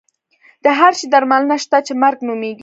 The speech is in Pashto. د هر شي درملنه شته چې مرګ نومېږي.